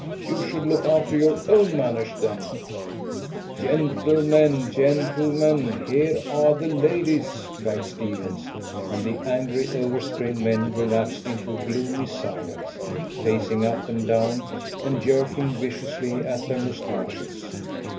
"You should look after your own manners, then." "Gentlemen, gentlemen, here are the ladies!" cried Stephens, and the angry, over strained men relapsed into a gloomy silence, pacing up and down, and jerking viciously at their moustaches.